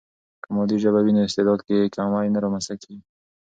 که مادي ژبه وي، نو استعداد کې کمی نه رامنځته کیږي.